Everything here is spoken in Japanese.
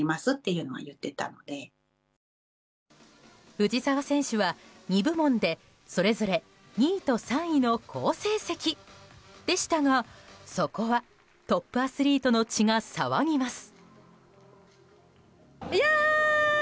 藤澤選手は２部門で、それぞれ２位と３位の好成績でしたがそこはトップアスリートの血が騒ぎます。